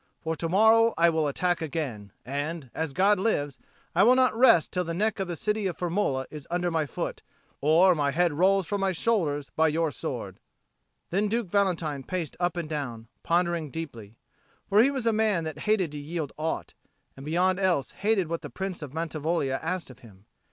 For to morrow I will attack again; and, as God lives, I will not rest till the neck of the city of Firmola is under my foot, or my head rolls from my shoulders by your sword." Then Duke Valentine paced up and down, pondering deeply. For he was a man that hated to yield aught, and beyond all else hated what the Prince of Mantivoglia asked of him.